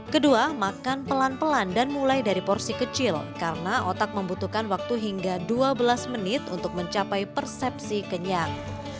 kedua makan pelan pelan dan mulai dari porsi kecil karena otak membutuhkan waktu hingga dua belas menit untuk mencapai persepsi kenyang